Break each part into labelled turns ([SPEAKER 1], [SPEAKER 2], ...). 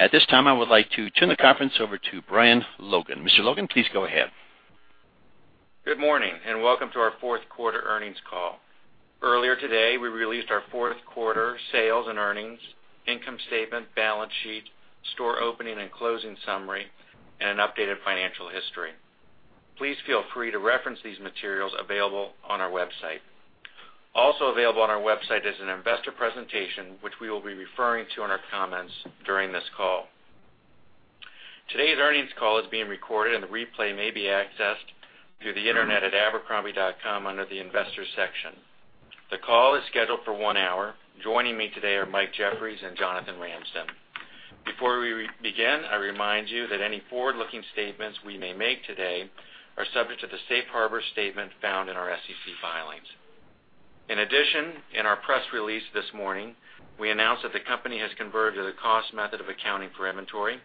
[SPEAKER 1] At this time, I would like to turn the conference over to Brian Logan. Mr. Logan, please go ahead.
[SPEAKER 2] Good morning, and welcome to our fourth quarter earnings call. Earlier today, we released our fourth quarter sales and earnings, income statement, balance sheet, store opening and closing summary, and an updated financial history. Please feel free to reference these materials available on our website. Also available on our website is an investor presentation, which we will be referring to in our comments during this call. Today's earnings call is being recorded, and the replay may be accessed through the internet at abercrombie.com under the investors section. The call is scheduled for one hour. Joining me today are Mike Jeffries and Jonathan Ramsden. Before we begin, I remind you that any forward-looking statements we may make today are subject to the safe harbor statement found in our SEC filings. In addition, in our press release this morning, we announced that the company has converted to the cost method of accounting for inventory.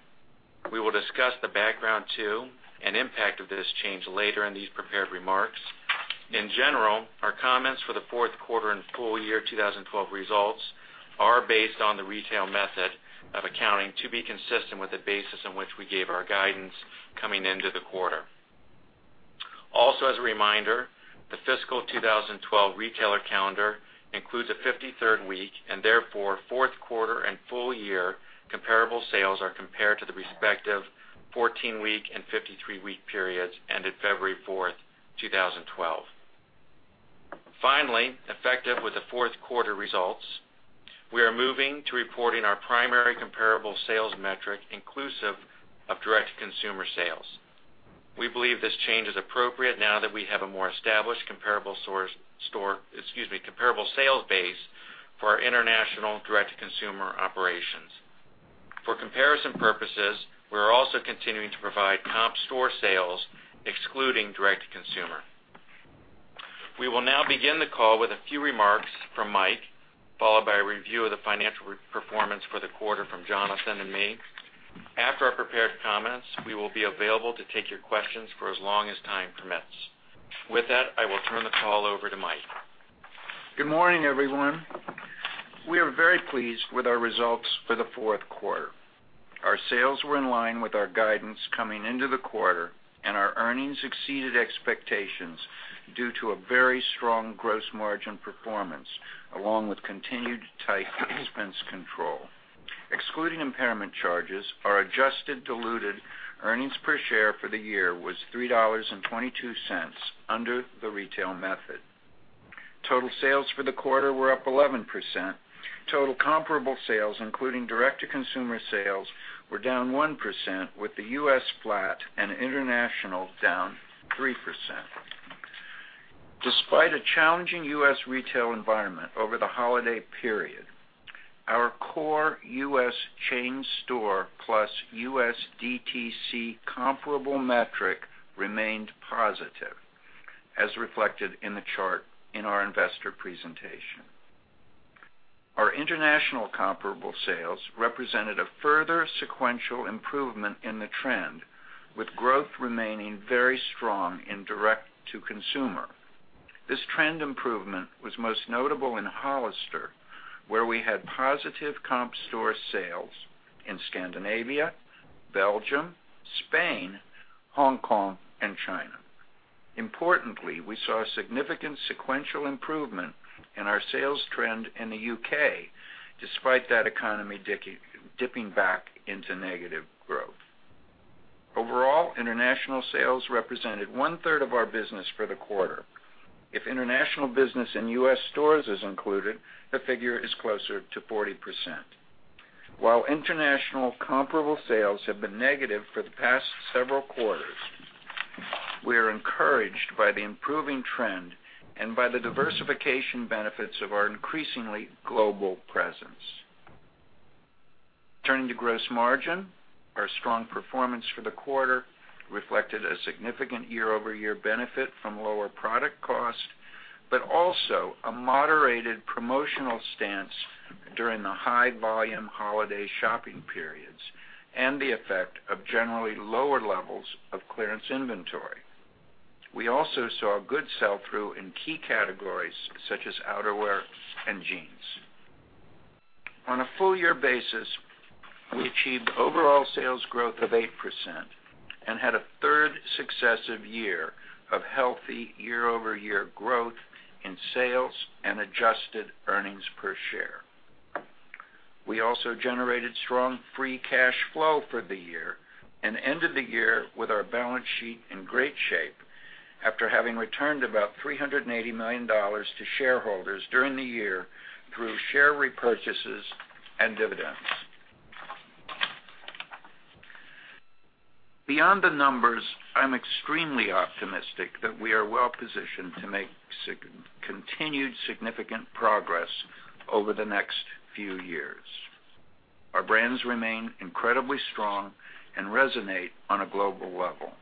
[SPEAKER 2] We will discuss the background to and impact of this change later in these prepared remarks. In general, our comments for the fourth quarter and full year 2012 results are based on the retail method of accounting to be consistent with the basis on which we gave our guidance coming into the quarter. Also, as a reminder, the fiscal 2012 retailer calendar includes a 53rd week, and therefore, fourth quarter and full year comparable sales are compared to the respective 14-week and 53-week periods ended February 4th, 2012. Finally, effective with the fourth quarter results, we are moving to reporting our primary comparable sales metric inclusive of direct-to-consumer sales. We believe this change is appropriate now that we have a more established comparable sales base for our international direct-to-consumer operations. For comparison purposes, we are also continuing to provide comp store sales excluding direct to consumer. We will now begin the call with a few remarks from Mike, followed by a review of the financial performance for the quarter from Jonathan and me. After our prepared comments, we will be available to take your questions for as long as time permits. With that, I will turn the call over to Mike.
[SPEAKER 3] Good morning, everyone. We are very pleased with our results for the fourth quarter. Our sales were in line with our guidance coming into the quarter, and our earnings exceeded expectations due to a very strong gross margin performance, along with continued tight expense control. Excluding impairment charges, our adjusted diluted earnings per share for the year was $3.22 under the retail method. Total sales for the quarter were up 11%. Total comparable sales, including direct-to-consumer sales, were down 1%, with the U.S. flat and international down 3%. Despite a challenging U.S. retail environment over the holiday period, our core U.S. chain store plus U.S. DTC comparable metric remained positive, as reflected in the chart in our investor presentation. Our international comparable sales represented a further sequential improvement in the trend, with growth remaining very strong in direct-to-consumer. This trend improvement was most notable in Hollister, where we had positive comp store sales in Scandinavia, Belgium, Spain, Hong Kong, and China. Importantly, we saw a significant sequential improvement in our sales trend in the U.K., despite that economy dipping back into negative growth. Overall, international sales represented one-third of our business for the quarter. If international business in U.S. stores is included, the figure is closer to 40%. While international comparable sales have been negative for the past several quarters, we are encouraged by the improving trend and by the diversification benefits of our increasingly global presence. Turning to gross margin, our strong performance for the quarter reflected a significant year-over-year benefit from lower product cost, but also a moderated promotional stance during the high-volume holiday shopping periods and the effect of generally lower levels of clearance inventory. We also saw a good sell-through in key categories such as outerwear and jeans. On a full year basis, we achieved overall sales growth of 8% and had a third successive year of healthy year-over-year growth in sales and adjusted earnings per share. We also generated strong free cash flow for the year and ended the year with our balance sheet in great shape after having returned about $380 million to shareholders during the year through share repurchases and dividends. Beyond the numbers, I am extremely optimistic that we are well positioned to make continued significant progress over the next few years. Our brands remain incredibly strong and resonate on a global level.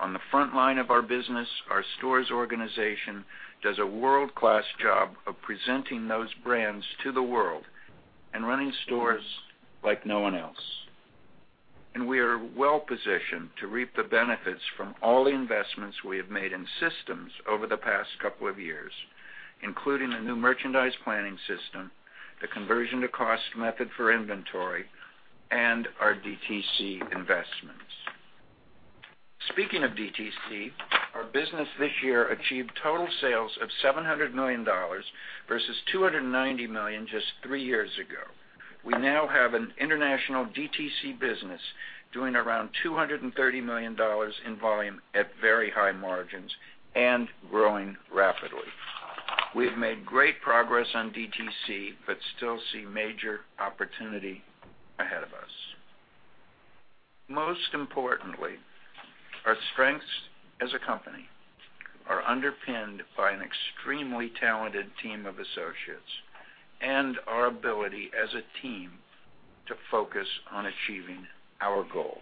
[SPEAKER 3] On the front line of our business, our stores organization does a world-class job of presenting those brands to the world and running stores like no one else. We are well-positioned to reap the benefits from all the investments we have made in systems over the past couple of years, including the new merchandise planning system, the conversion-to-cost method for inventory, and our DTC investments. Speaking of DTC, our business this year achieved total sales of $700 million versus $290 million just three years ago. We now have an international DTC business doing around $230 million in volume at very high margins and growing rapidly. We have made great progress on DTC but still see major opportunity ahead of us. Most importantly, our strengths as a company are underpinned by an extremely talented team of associates and our ability as a team to focus on achieving our goals.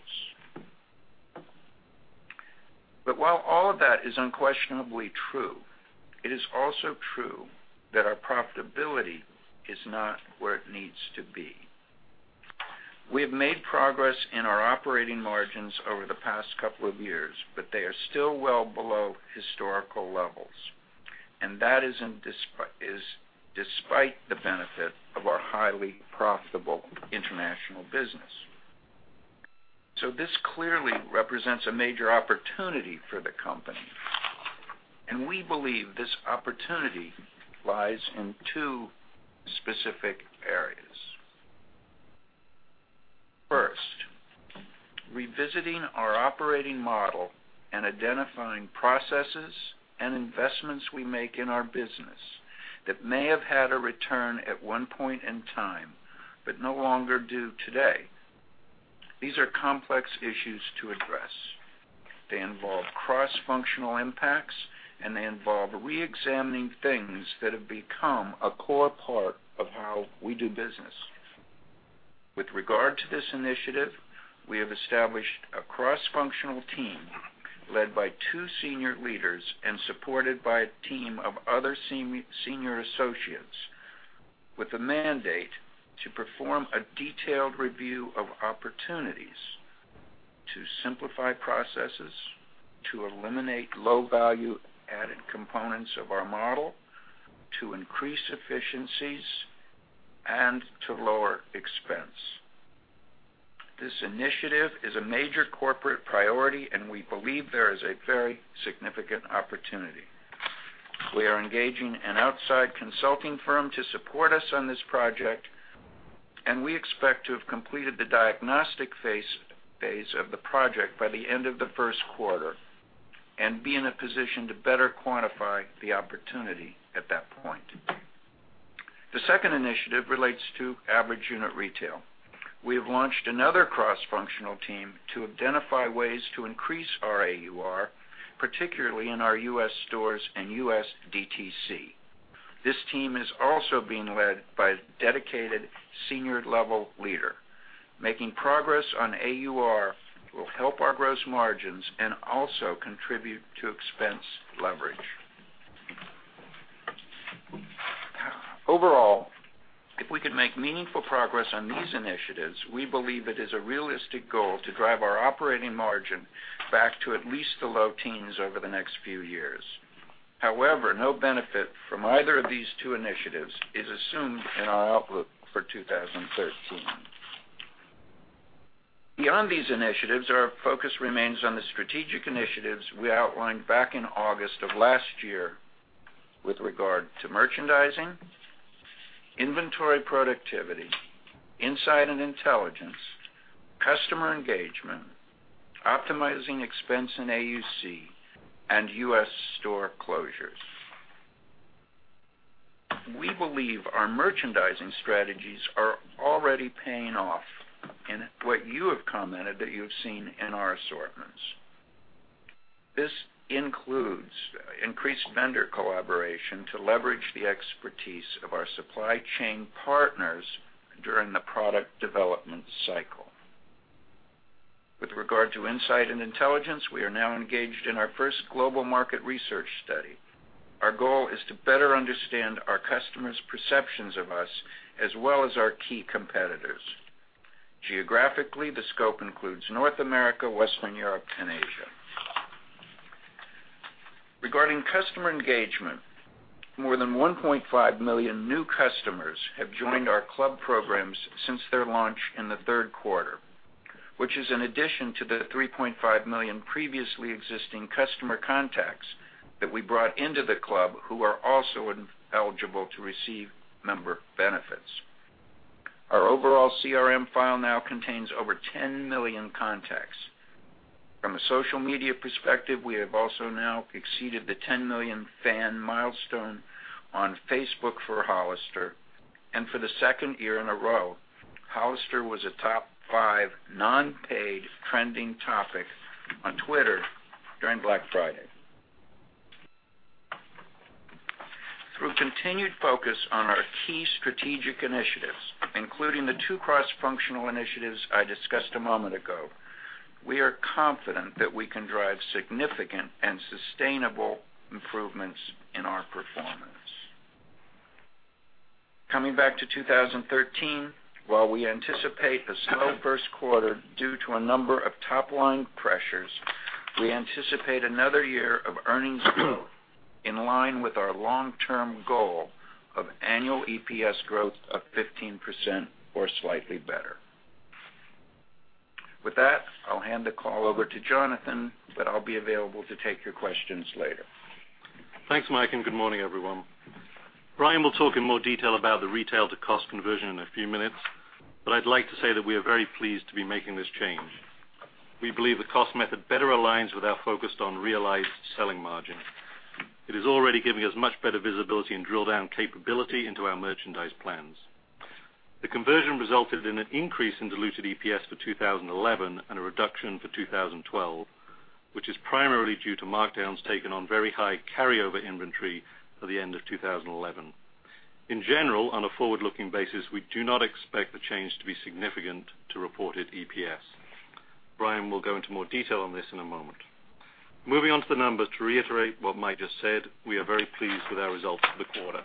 [SPEAKER 3] While all of that is unquestionably true, it is also true that our profitability is not where it needs to be. We have made progress in our operating margins over the past couple of years, but they are still well below historical levels. That is despite the benefit of our highly profitable international business. This clearly represents a major opportunity for the company, and we believe this opportunity lies in two specific areas. First, revisiting our operating model and identifying processes and investments we make in our business that may have had a return at one point in time, but no longer do today. These are complex issues to address. They involve cross-functional impacts, and they involve re-examining things that have become a core part of how we do business. With regard to this initiative, we have established a cross-functional team led by two senior leaders and supported by a team of other senior associates with a mandate to perform a detailed review of opportunities to simplify processes, to eliminate low-value-added components of our model, to increase efficiencies, and to lower expense. This initiative is a major corporate priority, and we believe there is a very significant opportunity. We are engaging an outside consulting firm to support us on this project, and we expect to have completed the diagnostic phase of the project by the end of the first quarter, and be in a position to better quantify the opportunity at that point. The second initiative relates to average unit retail. We have launched another cross-functional team to identify ways to increase our AUR, particularly in our U.S. stores and U.S. DTC. This team is also being led by a dedicated senior-level leader. Making progress on AUR will help our gross margins and also contribute to expense leverage. Overall, if we can make meaningful progress on these initiatives, we believe it is a realistic goal to drive our operating margin back to at least the low teens over the next few years. However, no benefit from either of these two initiatives is assumed in our outlook for 2013. Beyond these initiatives, our focus remains on the strategic initiatives we outlined back in August of last year with regard to merchandising, inventory productivity, insight and intelligence, customer engagement, optimizing expense in AUC, and U.S. store closures. We believe our merchandising strategies are already paying off in what you have commented that you've seen in our assortments. This includes increased vendor collaboration to leverage the expertise of our supply chain partners during the product development cycle. With regard to insight and intelligence, we are now engaged in our first global market research study. Our goal is to better understand our customers' perceptions of us, as well as our key competitors. Geographically, the scope includes North America, Western Europe, and Asia. Regarding customer engagement, more than 1.5 million new customers have joined our club programs since their launch in the third quarter, which is an addition to the 3.5 million previously existing customer contacts that we brought into the club who are also eligible to receive member benefits. Our overall CRM file now contains over 10 million contacts. From a social media perspective, we have also now exceeded the 10 million fan milestone on Facebook for Hollister. For the second year in a row, Hollister was a top five non-paid trending topic on Twitter during Black Friday. Through continued focus on our key strategic initiatives, including the two cross-functional initiatives I discussed a moment ago, we are confident that we can drive significant and sustainable improvements in our performance. Coming back to 2013, while we anticipate a slow first quarter due to a number of top-line pressures, we anticipate another year of earnings growth in line with our long-term goal of annual EPS growth of 15% or slightly better. With that, I'll hand the call over to Jonathan, but I'll be available to take your questions later.
[SPEAKER 4] Thanks, Mike, good morning, everyone. Brian will talk in more detail about the retail-to-cost conversion in a few minutes, but I'd like to say that we are very pleased to be making this change. We believe the cost method better aligns with our focus on realized selling margin. It is already giving us much better visibility and drill-down capability into our merchandise plans. The conversion resulted in an increase in diluted EPS for 2011 and a reduction for 2012, which is primarily due to markdowns taken on very high carryover inventory for the end of 2011. In general, on a forward-looking basis, we do not expect the change to be significant to reported EPS. Brian will go into more detail on this in a moment. Moving on to the numbers. To reiterate what Mike just said, we are very pleased with our results for the quarter.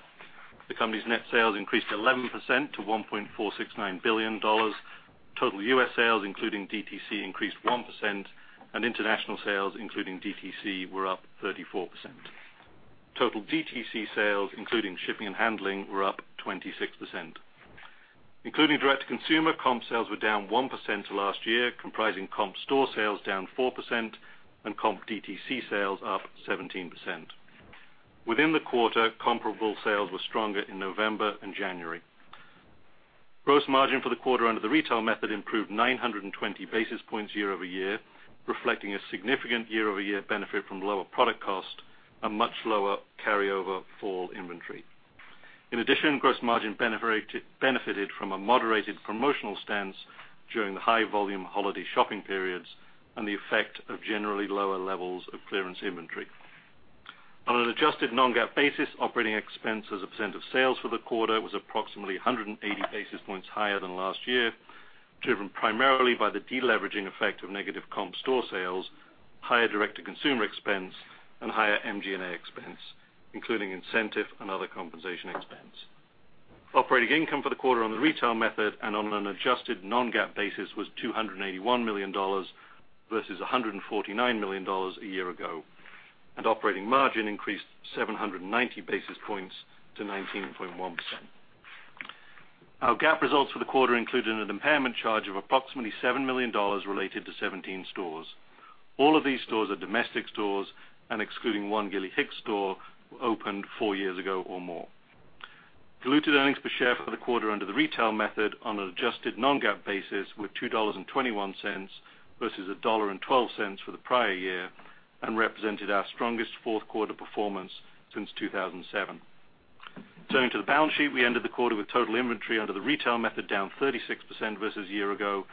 [SPEAKER 4] The company's net sales increased 11% to $1.469 billion. Total U.S. sales, including DTC, increased 1%, international sales, including DTC, were up 34%. Total DTC sales, including shipping and handling, were up 26%. Including direct-to-consumer, comp sales were down 1% to last year, comprising comp store sales down 4% and comp DTC sales up 17%. Within the quarter, comparable sales were stronger in November and January. Gross margin for the quarter under the retail method improved 920 basis points year-over-year, reflecting a significant year-over-year benefit from lower product cost and much lower carryover fall inventory. Gross margin benefited from a moderated promotional stance during the high-volume holiday shopping periods and the effect of generally lower levels of clearance inventory. An adjusted non-GAAP basis, operating expense as a percent of sales for the quarter was approximately 180 basis points higher than last year, driven primarily by the deleveraging effect of negative comp store sales, higher direct-to-consumer expense, and higher SG&A expense, including incentive and other compensation expense. Operating income for the quarter on the retail method and on an adjusted non-GAAP basis was $281 million versus $149 million a year ago, operating margin increased 790 basis points to 19.1%. Our GAAP results for the quarter included an impairment charge of approximately $7 million related to 17 stores. All of these stores are domestic stores and, excluding one Gilly Hicks store, opened four years ago or more. Diluted earnings per share for the quarter under the retail method on an adjusted non-GAAP basis were $2.21 versus $1.12 for the prior year and represented our strongest fourth-quarter performance since 2007. Turning to the balance sheet, we ended the quarter with total inventory under the retail method down 36% versus a year ago,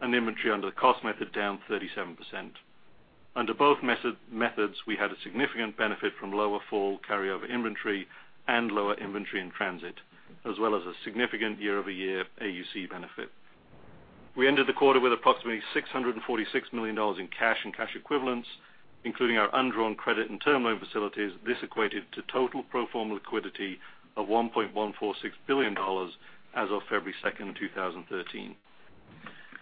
[SPEAKER 4] and inventory under the cost method down 37%. Under both methods, we had a significant benefit from lower fall carryover inventory and lower inventory in transit, as well as a significant year-over-year AUC benefit. We ended the quarter with approximately $646 million in cash and cash equivalents, including our undrawn credit and term loan facilities. This equated to total pro forma liquidity of $1.146 billion as of February 2nd, 2013.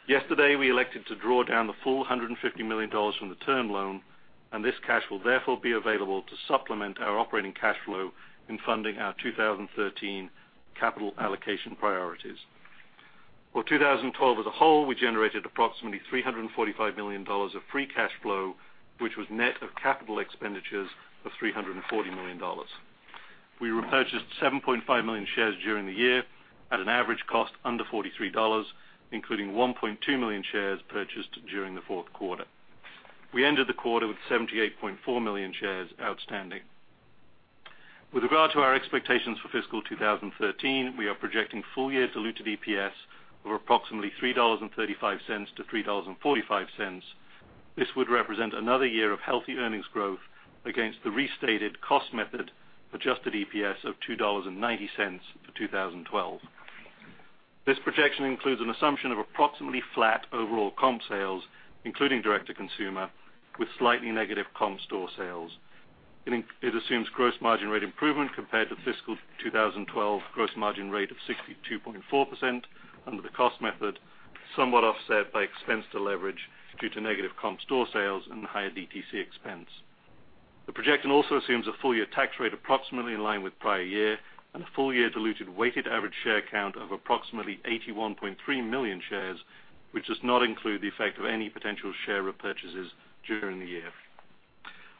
[SPEAKER 4] Yesterday, we elected to draw down the full $150 million from the term loan. This cash will therefore be available to supplement our operating cash flow in funding our 2013 capital allocation priorities. For 2012 as a whole, we generated approximately $345 million of free cash flow, which was net of capital expenditures of $340 million. We repurchased 7.5 million shares during the year at an average cost under $43, including 1.2 million shares purchased during the fourth quarter. We ended the quarter with 78.4 million shares outstanding. With regard to our expectations for fiscal 2013, we are projecting full-year diluted EPS of approximately $3.35-$3.45. This would represent another year of healthy earnings growth against the restated cost method adjusted EPS of $2.90 for 2012. This projection includes an assumption of approximately flat overall comp sales, including direct-to-consumer, with slightly negative comp store sales. It assumes gross margin rate improvement compared to fiscal 2012 gross margin rate of 62.4% under the cost method, somewhat offset by expense deleverage due to negative comp store sales and higher DTC expense. The projection also assumes a full-year tax rate approximately in line with the prior year and a full-year diluted weighted average share count of approximately 81.3 million shares, which does not include the effect of any potential share repurchases during the year.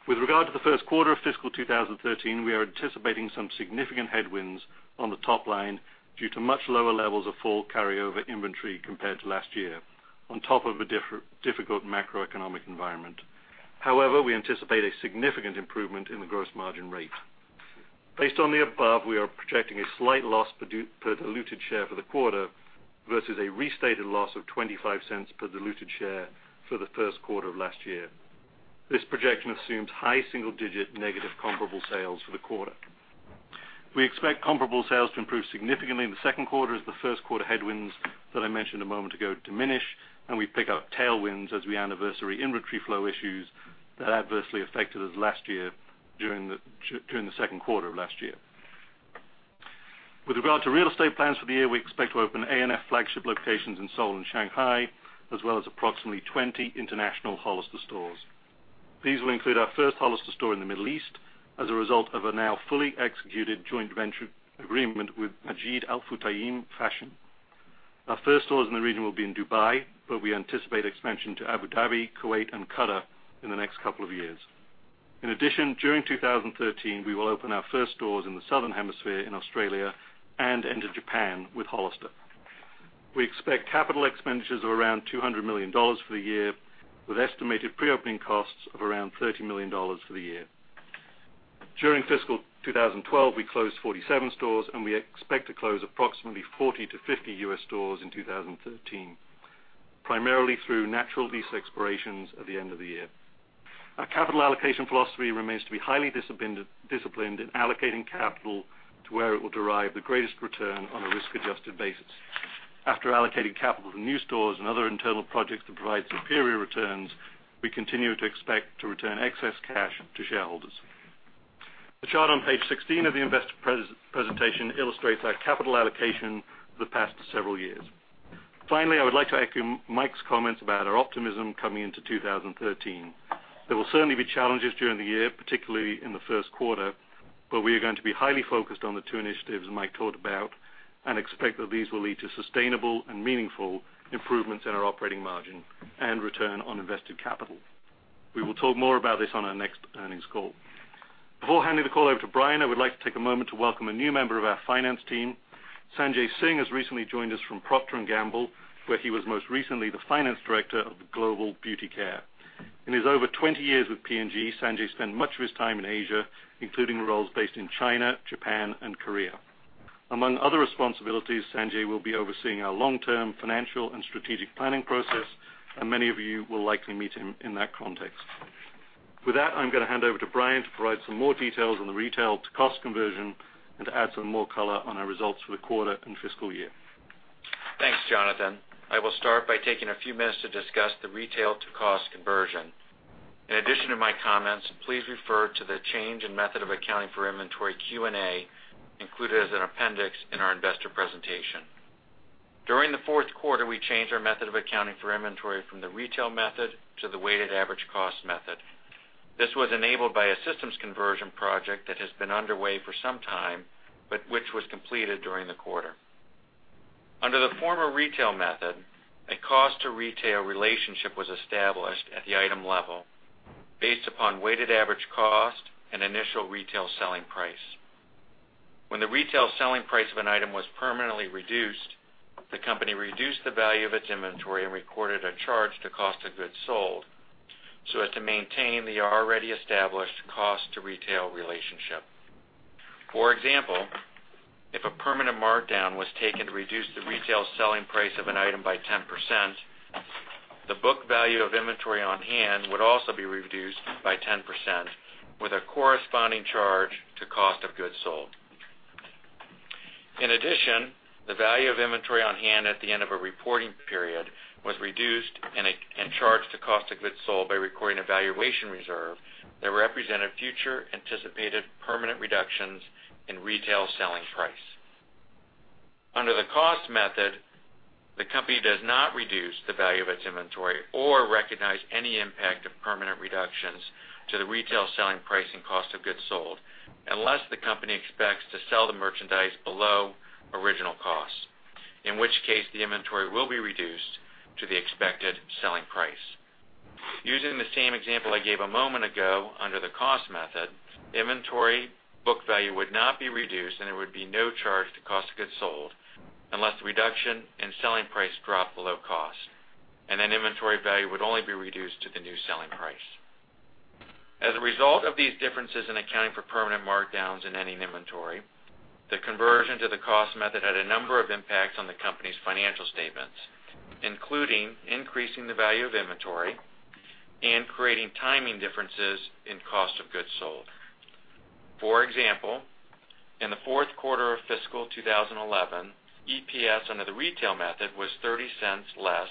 [SPEAKER 4] With regard to the first quarter of fiscal 2013, we are anticipating some significant headwinds on the top line due to much lower levels of fall carryover inventory compared to last year, on top of a difficult macroeconomic environment. However, we anticipate a significant improvement in the gross margin rate. Based on the above, we are projecting a slight loss per diluted share for the quarter versus a restated loss of $0.25 per diluted share for the first quarter of last year. This projection assumes high single-digit negative comparable sales for the quarter. We expect comparable sales to improve significantly in the second quarter as the first-quarter headwinds that I mentioned a moment ago diminish, and we pick up tailwinds as we anniversary inventory flow issues that adversely affected us during the second quarter of last year. With regard to real estate plans for the year, we expect to open ANF flagship locations in Seoul and Shanghai, as well as approximately 20 international Hollister stores. These will include our first Hollister store in the Middle East as a result of a now fully executed joint venture agreement with Majid Al Futtaim Fashion. Our first stores in the region will be in Dubai, but we anticipate expansion to Abu Dhabi, Kuwait, and Qatar in the next couple of years. In addition, during 2013, we will open our first stores in the southern hemisphere in Australia and enter Japan with Hollister. We expect capital expenditures of around $200 million for the year, with estimated pre-opening costs of around $30 million for the year. During fiscal 2012, we closed 47 stores, and we expect to close approximately 40 to 50 U.S. stores in 2013, primarily through natural lease expirations at the end of the year. Our capital allocation philosophy remains to be highly disciplined in allocating capital to where it will derive the greatest return on a risk-adjusted basis. After allocating capital to new stores and other internal projects that provide superior returns, we continue to expect to return excess cash to shareholders. The chart on page 16 of the investor presentation illustrates our capital allocation for the past several years. I would like to echo Mike's comments about our optimism coming into 2013. There will certainly be challenges during the year, particularly in the first quarter, we are going to be highly focused on the two initiatives Mike talked about and expect that these will lead to sustainable and meaningful improvements in our operating margin and return on invested capital. We will talk more about this on our next earnings call. Before handing the call over to Brian, I would like to take a moment to welcome a new member of our finance team. Sanjay Singh has recently joined us from Procter & Gamble, where he was most recently the finance director of Global Beauty Care. In his over 20 years with P&G, Sanjay spent much of his time in Asia, including roles based in China, Japan, and Korea. Among other responsibilities, Sanjay will be overseeing our long-term financial and strategic planning process, and many of you will likely meet him in that context. I'm going to hand over to Brian to provide some more details on the retail-to-cost conversion and to add some more color on our results for the quarter and fiscal year.
[SPEAKER 2] Thanks, Jonathan. I will start by taking a few minutes to discuss the retail-to-cost conversion. In addition to my comments, please refer to the change in method of accounting for inventory Q&A included as an appendix in our investor presentation. During the fourth quarter, we changed our method of accounting for inventory from the retail method to the weighted average cost method. This was enabled by a systems conversion project that has been underway for some time, which was completed during the quarter. Under the former retail method, a cost-to-retail relationship was established at the item level based upon weighted average cost and initial retail selling price. When the retail selling price of an item was permanently reduced, the company reduced the value of its inventory and recorded a charge to cost of goods sold so as to maintain the already established cost-to-retail relationship. For example, if a permanent markdown was taken to reduce the retail selling price of an item by 10%, the book value of inventory on hand would also be reduced by 10% with a corresponding charge to cost of goods sold. In addition, the value of inventory on hand at the end of a reporting period was reduced and charged to cost of goods sold by recording a valuation reserve that represented future anticipated permanent reductions in retail selling price. Under the cost method, the company does not reduce the value of its inventory or recognize any impact of permanent reductions to the retail selling price and cost of goods sold unless the company expects to sell the merchandise below original cost, in which case the inventory will be reduced to the expected selling price. Using the same example I gave a moment ago, under the cost method, inventory book value would not be reduced and there would be no charge to cost of goods sold unless the reduction in selling price dropped below cost, and then inventory value would only be reduced to the new selling price. As a result of these differences in accounting for permanent markdowns in any inventory, the conversion to the cost method had a number of impacts on the company's financial statements, including increasing the value of inventory and creating timing differences in cost of goods sold. For example, in the fourth quarter of fiscal 2011, EPS under the retail method was $0.30 less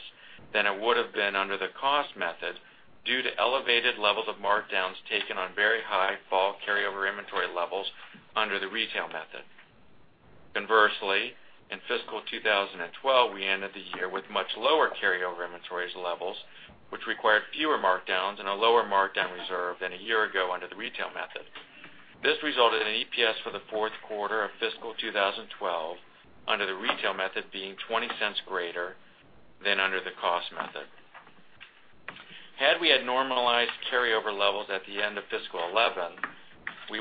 [SPEAKER 2] than it would have been under the cost method due to elevated levels of markdowns taken on very high fall carryover inventory levels under the retail method. In fiscal 2012, we ended the year with much lower carryover inventories levels, which required fewer markdowns and a lower markdown reserve than a year ago under the retail method. This resulted in an EPS for the fourth quarter of fiscal 2012 under the retail method being $0.20 greater than under the cost method. Had we had normalized carryover levels at the end of fiscal 2011, we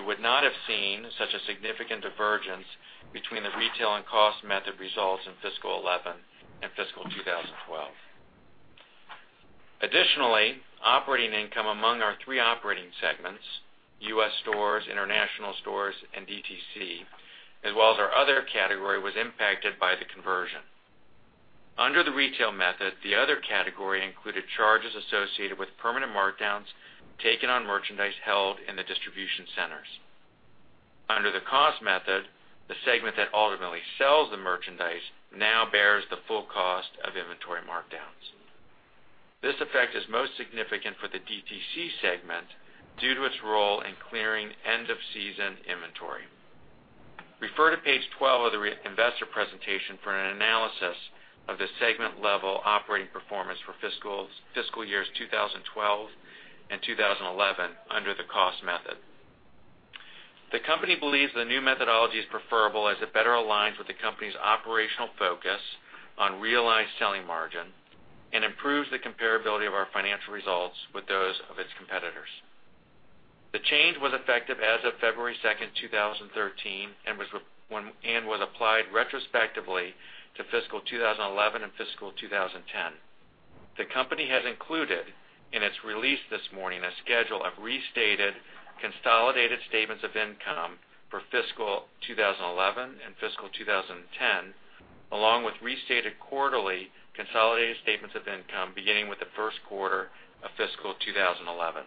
[SPEAKER 2] would not have seen such a significant divergence between the retail and cost method results in fiscal 2011 and fiscal 2012. Operating income among our three operating segments, U.S. stores, international stores, and DTC, as well as our other category, was impacted by the conversion. Under the retail method, the other category included charges associated with permanent markdowns taken on merchandise held in the distribution centers. Under the cost method, the segment that ultimately sells the merchandise now bears the full cost of inventory markdown. This effect is most significant for the DTC segment due to its role in clearing end-of-season inventory. Refer to page 12 of the investor presentation for an analysis of the segment-level operating performance for fiscal years 2012 and 2011 under the cost method. The company believes the new methodology is preferable as it better aligns with the company's operational focus on realized selling margin and improves the comparability of our financial results with those of its competitors. The change was effective as of February 2nd, 2013, and was applied retrospectively to fiscal 2011 and fiscal 2010. The company has included in its release this morning a schedule of restated consolidated statements of income for fiscal 2011 and fiscal 2010, along with restated quarterly consolidated statements of income beginning with the first quarter of fiscal 2011.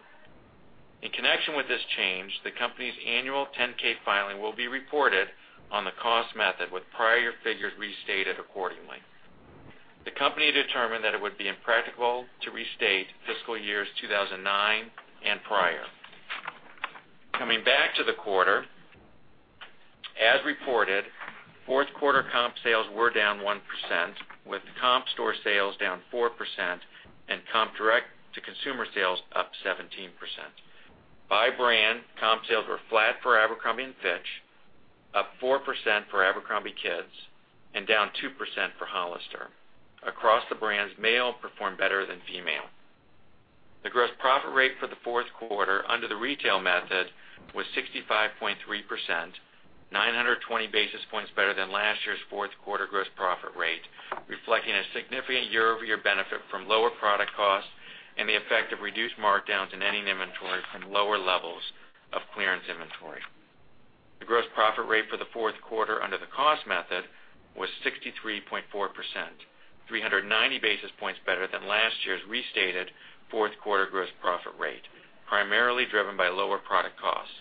[SPEAKER 2] In connection with this change, the company's annual 10-K filing will be reported on the cost method with prior figures restated accordingly. The company determined that it would be impractical to restate fiscal years 2009 and prior. Coming back to the quarter, as reported, fourth quarter comp sales were down 1%, with comp store sales down 4% and comp direct-to-consumer sales up 17%. By brand, comp sales were flat for Abercrombie & Fitch, up 4% for abercrombie kids, and down 2% for Hollister. Across the brands, male performed better than female. The gross profit rate for the fourth quarter under the retail method was 65.3%, 920 basis points better than last year's fourth quarter gross profit rate, reflecting a significant year-over-year benefit from lower product costs and the effect of reduced markdowns in ending inventory from lower levels of clearance inventory. The gross profit rate for the fourth quarter under the cost method was 63.4%, 390 basis points better than last year's restated fourth-quarter gross profit rate, primarily driven by lower product costs.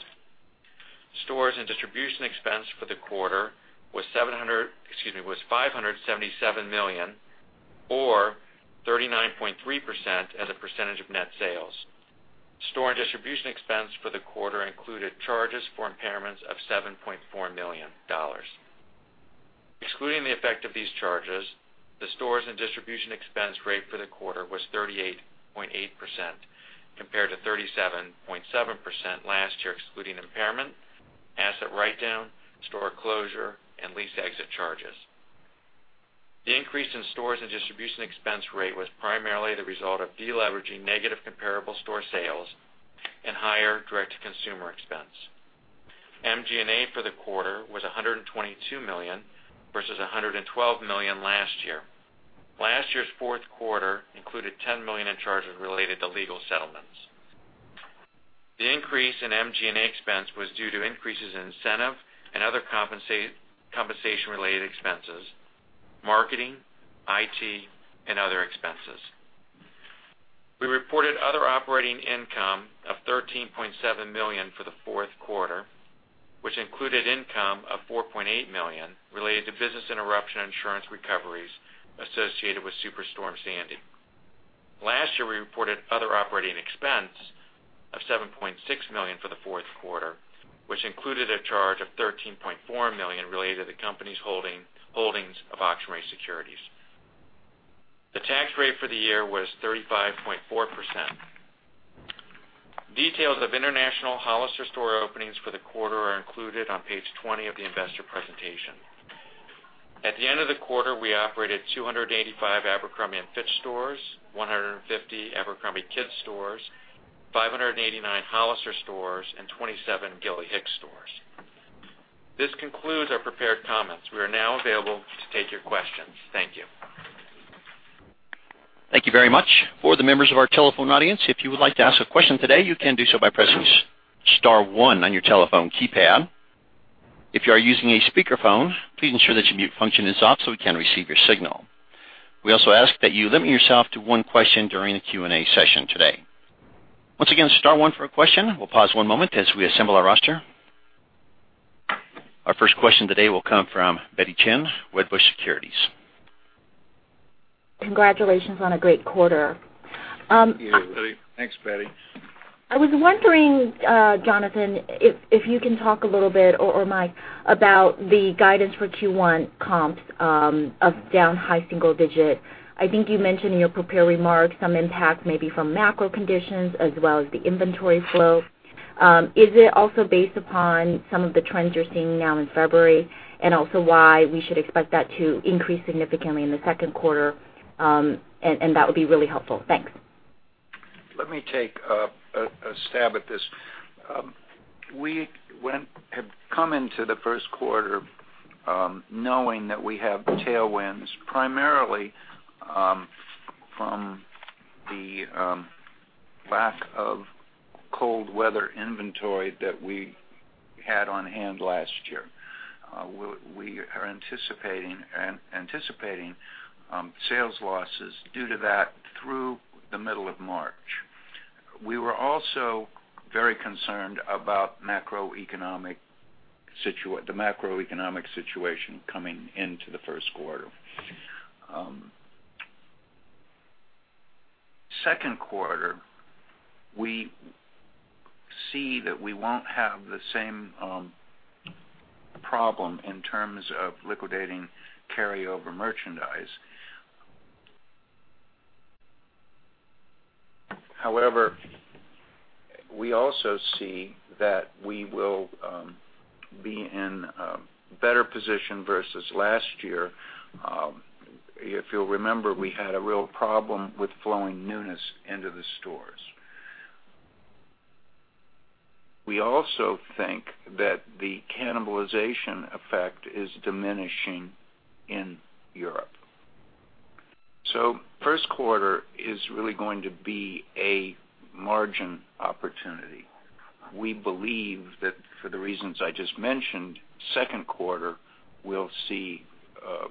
[SPEAKER 2] Stores and distribution expense for the quarter was $577 million or 39.3% as a percentage of net sales. Store and distribution expense for the quarter included charges for impairments of $7.4 million. Excluding the effect of these charges, the stores and distribution expense rate for the quarter was 38.8% compared to 37.7% last year excluding impairment, asset write-down, store closure, and lease exit charges. The increase in stores and distribution expense rate was primarily the result of deleveraging negative comparable store sales and higher direct-to-consumer expense. SG&A for the quarter was $122 million, versus $112 million last year. Last year's fourth quarter included $10 million in charges related to legal settlements. The increase in SG&A expense was due to increases in incentive and other compensation-related expenses, marketing, IT, and other expenses. We reported other operating income of $13.7 million for the fourth quarter, which included income of $4.8 million related to business interruption insurance recoveries associated with Superstorm Sandy. Last year, we reported other operating expense of $7.6 million for the fourth quarter, which included a charge of $13.4 million related to the company's holdings of auction rate securities. The tax rate for the year was 35.4%. Details of international Hollister store openings for the quarter are included on page 20 of the investor presentation. At the end of the quarter, we operated 285 Abercrombie & Fitch stores, 150 abercrombie kids stores, 589 Hollister stores, and 27 Gilly Hicks stores. This concludes our prepared comments. We are now available to take your questions. Thank you.
[SPEAKER 1] Thank you very much. For the members of our telephone audience, if you would like to ask a question today, you can do so by pressing *1 on your telephone keypad. If you are using a speakerphone, please ensure that your mute function is off so we can receive your signal. We also ask that you limit yourself to one question during the Q&A session today. Once again, *1 for a question. We'll pause one moment as we assemble our roster. Our first question today will come from Betty Chen, Wedbush Securities.
[SPEAKER 5] Congratulations on a great quarter.
[SPEAKER 2] Thank you.
[SPEAKER 1] Betty.
[SPEAKER 2] Thanks, Betty.
[SPEAKER 5] I was wondering, Jonathan, if you can talk a little bit, or Mike, about the guidance for Q1 comps of down high single-digit. I think you mentioned in your prepared remarks some impact maybe from macro conditions as well as the inventory flow. Is it also based upon some of the trends you're seeing now in February, and also why we should expect that to increase significantly in the second quarter? That would be really helpful. Thanks.
[SPEAKER 2] Let me take a stab at this. We have come into the first quarter knowing that we have tailwinds, primarily from the lack of cold weather inventory that we had on hand last year. We are anticipating sales losses due to that through the middle of March.
[SPEAKER 3] We were also very concerned about the macroeconomic situation coming into the first quarter. Second quarter, we see that we won't have the same problem in terms of liquidating carryover merchandise. However, we also see that we will be in a better position versus last year. If you'll remember, we had a real problem with flowing newness into the stores. We also think that the cannibalization effect is diminishing in Europe. First quarter is really going to be a margin opportunity. We believe that for the reasons I just mentioned, second quarter, we'll see a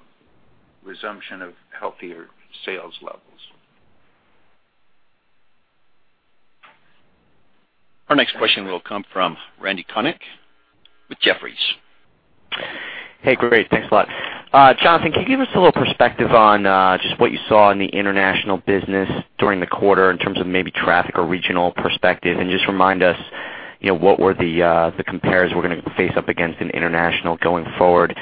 [SPEAKER 3] resumption of healthier sales levels.
[SPEAKER 1] Our next question will come from Randal Konik with Jefferies.
[SPEAKER 6] Hey, great. Thanks a lot. Jonathan, can you give us a little perspective on just what you saw in the international business during the quarter in terms of maybe traffic or regional perspective, just remind us what were the compares we're going to face up against in international going forward.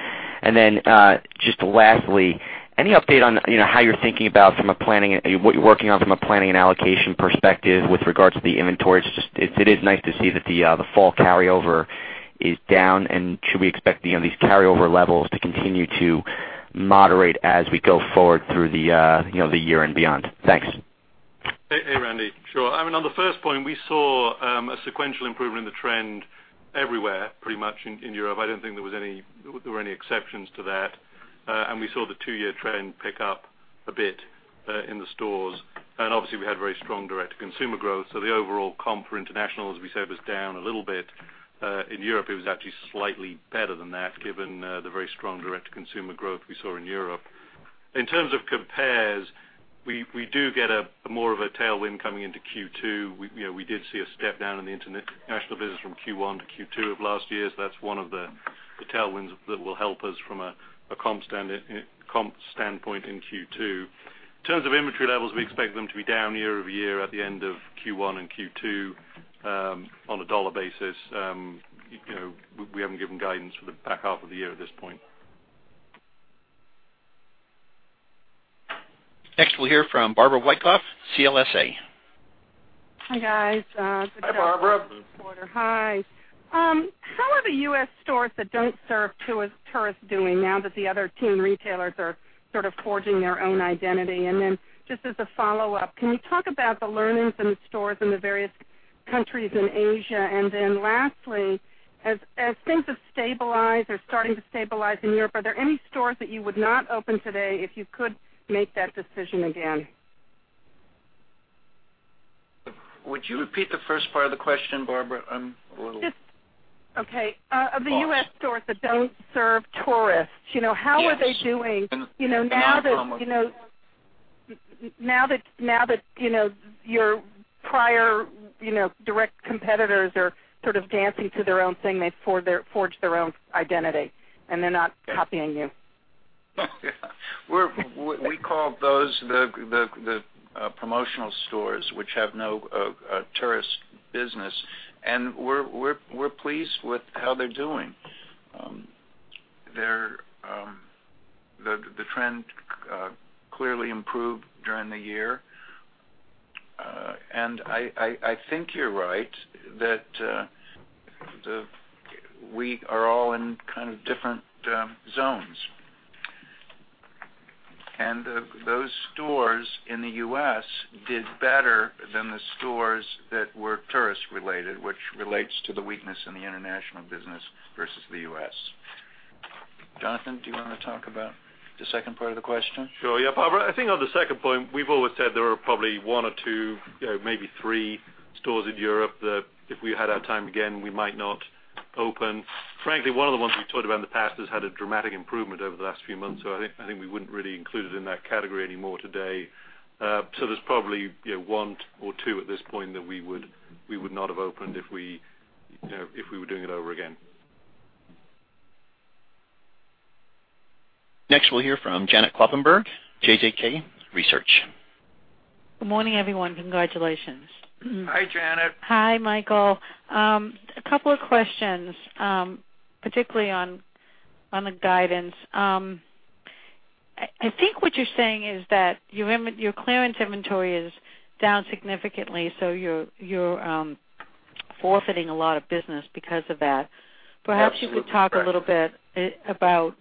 [SPEAKER 6] Lastly, any update on how you're thinking about what you're working on from a planning and allocation perspective with regards to the inventories? It is nice to see that the fall carryover is down. Should we expect these carryover levels to continue to moderate as we go forward through the year and beyond? Thanks.
[SPEAKER 4] Hey, Randy. Sure. On the first point, we saw a sequential improvement in the trend everywhere, pretty much in Europe. I don't think there were any exceptions to that. We saw the two-year trend pick up a bit in the stores. We had very strong direct-to-consumer growth. The overall comp for international, as we said, was down a little bit. In Europe, it was actually slightly better than that given the very strong direct-to-consumer growth we saw in Europe. In terms of compares, we do get more of a tailwind coming into Q2. We did see a step down in the international business from Q1 to Q2 of last year. That's one of the tailwinds that will help us from a comp standpoint in Q2. In terms of inventory levels, we expect them to be down year-over-year at the end of Q1 and Q2, on a dollar basis. We haven't given guidance for the back half of the year at this point.
[SPEAKER 1] Next, we'll hear from Barbara Wyckoff, CLSA.
[SPEAKER 7] Hi, guys.
[SPEAKER 3] Hi, Barbara.
[SPEAKER 7] Hi. How are the U.S. stores that don't serve tourists doing now that the other teen retailers are sort of forging their own identity? Just as a follow-up, can you talk about the learnings in the stores in the various countries in Asia? Lastly, as things have stabilized or starting to stabilize in Europe, are there any stores that you would not open today if you could make that decision again?
[SPEAKER 3] Would you repeat the first part of the question, Barbara?
[SPEAKER 7] Okay. Of the U.S. stores that don't serve tourists-
[SPEAKER 3] Yes
[SPEAKER 7] how are they doing now that your prior direct competitors are sort of dancing to their own thing. They've forged their own identity, and they're not copying you.
[SPEAKER 3] We call those the promotional stores, which have no tourist business. We're pleased with how they're doing. The trend clearly improved during the year. I think you're right that we are all in kind of different zones. Those stores in the U.S. did better than the stores that were tourist-related, which relates to the weakness in the international business versus the U.S. Jonathan, do you want to talk about the second part of the question?
[SPEAKER 4] Sure. Yeah, Barbara, I think on the second point, we've always said there are probably one or two, maybe three stores in Europe that if we had our time again, we might not open. Frankly, one of the ones we've talked about in the past has had a dramatic improvement over the last few months. I think we wouldn't really include it in that category anymore today. There's probably one or two at this point that we would not have opened if we were doing it over again.
[SPEAKER 1] Next, we'll hear from Janet Kloppenburg, JJK Research.
[SPEAKER 8] Good morning, everyone. Congratulations.
[SPEAKER 3] Hi, Janet.
[SPEAKER 8] Hi, Michael. A couple of questions, particularly on the guidance. I think what you're saying is that your clearance inventory is down significantly, you're forfeiting a lot of business because of that.
[SPEAKER 3] Absolutely correct.
[SPEAKER 8] Perhaps you could talk a little bit about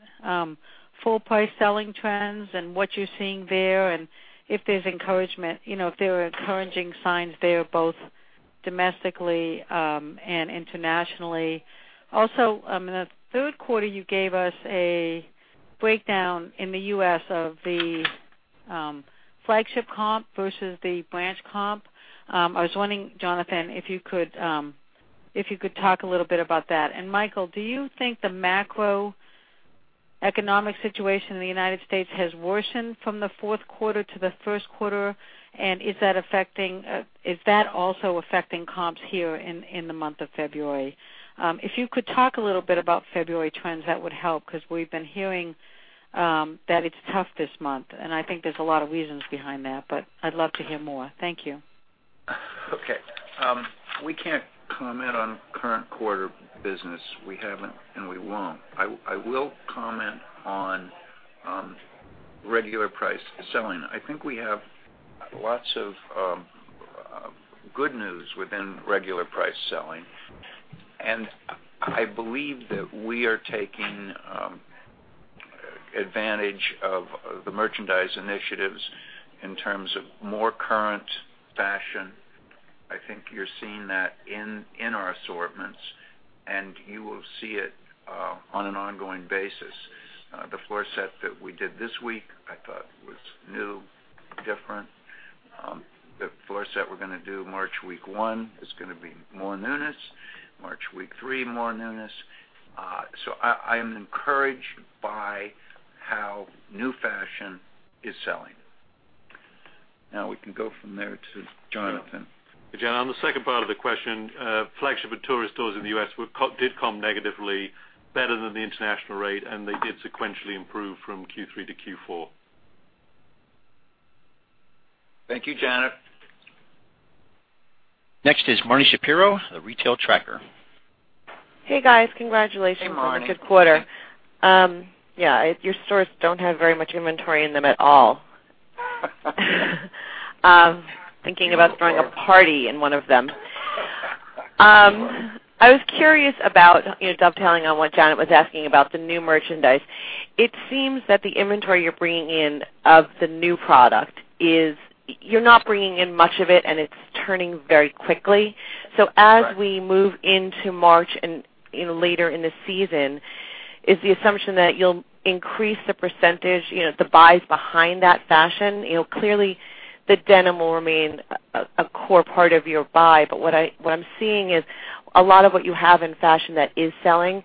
[SPEAKER 8] full price selling trends and what you're seeing there, if there are encouraging signs there, both domestically and internationally. Also, in the third quarter, you gave us a breakdown in the U.S. of the flagship comp versus the branch comp. I was wondering, Jonathan, if you could talk a little bit about that. Michael, do you think the macro economic situation in the United States has worsened from the fourth quarter to the first quarter, is that also affecting comps here in the month of February? If you could talk a little bit about February trends, that would help, because we've been hearing that it's tough this month, I think there's a lot of reasons behind that, I'd love to hear more. Thank you.
[SPEAKER 3] Okay. We can't comment on current quarter business. We haven't we won't. I will comment on regular price selling. I think we have lots of good news within regular price selling, I believe that we are taking advantage of the merchandise initiatives in terms of more current fashion. I think you're seeing that in our assortments, you will see it on an ongoing basis. The floor set that we did this week, I thought was new, different. The floor set we're going to do March week one is going to be more newness. March week three, more newness. I am encouraged by how new fashion is selling. Now we can go from there to Jonathan.
[SPEAKER 4] Janet, on the second part of the question, flagship and tourist stores in the U.S. did comp negatively better than the international rate, and they did sequentially improve from Q3 to Q4.
[SPEAKER 3] Thank you, Janet.
[SPEAKER 1] Next is Marni Shapiro, The Retail Tracker.
[SPEAKER 9] Hey, guys. Congratulations.
[SPEAKER 3] Hey, Marni
[SPEAKER 9] on a good quarter. Yeah, your stores don't have very much inventory in them at all. Thinking about throwing a party in one of them. I was curious about, dovetailing on what Janet was asking about the new merchandise. It seems that the inventory you're bringing in of the new product is, you're not bringing in much of it and it's turning very quickly. As we move into March and later in the season, is the assumption that you'll increase the percentage, the buys behind that fashion? Clearly, the denim will remain a core part of your buy, but what I'm seeing is a lot of what you have in fashion that is selling,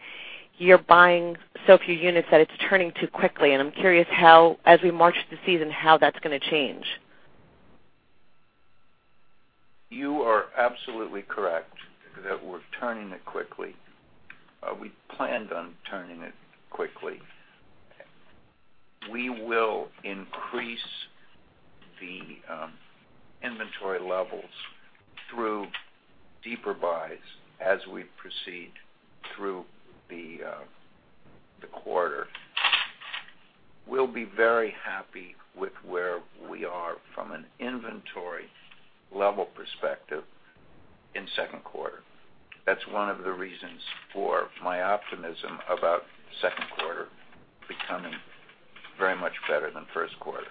[SPEAKER 9] you're buying so few units that it's turning too quickly, and I'm curious how, as we march the season, how that's going to change.
[SPEAKER 3] You are absolutely correct that we're turning it quickly. We planned on turning it quickly. We will increase the inventory levels through deeper buys as we proceed through the quarter. We'll be very happy with where we are from an inventory level perspective in second quarter. That's one of the reasons for my optimism about second quarter becoming very much better than first quarter.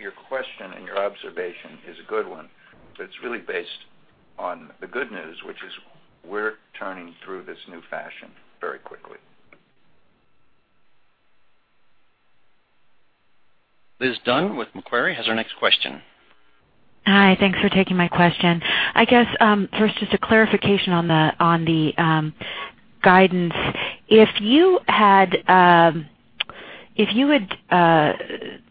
[SPEAKER 3] Your question and your observation is a good one. It's really based on the good news, which is we're turning through this new fashion very quickly.
[SPEAKER 1] Liz Dunn with Macquarie has our next question.
[SPEAKER 10] Hi. Thanks for taking my question. I guess, first, just a clarification on the guidance. If you had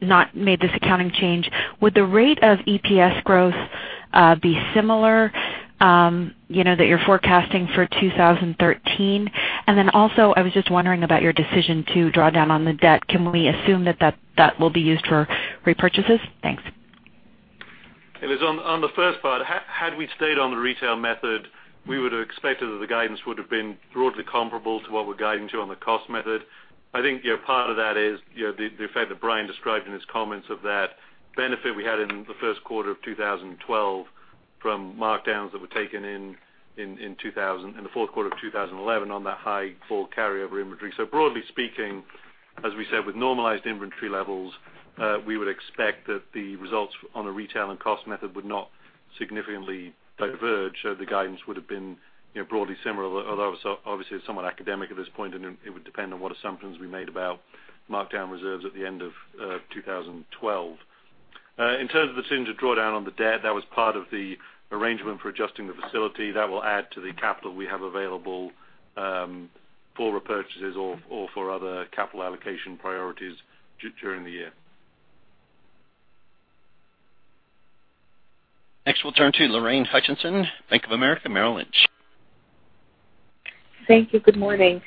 [SPEAKER 10] not made this accounting change, would the rate of EPS growth be similar, that you're forecasting for 2013? Also, I was just wondering about your decision to draw down on the debt. Can we assume that that will be used for repurchases? Thanks.
[SPEAKER 4] Hey, Liz, on the first part, had we stayed on the retail method, we would have expected that the guidance would've been broadly comparable to what we're guiding to on the cost method. I think part of that is the effect that Brian described in his comments of that benefit we had in the first quarter of 2012 from markdowns that were taken in the fourth quarter of 2011 on that high fall carryover inventory. Broadly speaking, as we said, with normalized inventory levels, we would expect that the results on the retail and cost method would not significantly diverge. The guidance would've been broadly similar, although obviously somewhat academic at this point, and it would depend on what assumptions we made about markdown reserves at the end of 2012. In terms of the decision to draw down on the debt, that was part of the arrangement for adjusting the facility. That will add to the capital we have available for repurchases or for other capital allocation priorities during the year.
[SPEAKER 1] Next, we'll turn to Lorraine Hutchinson, Bank of America Merrill Lynch.
[SPEAKER 11] Thank you. Good morning.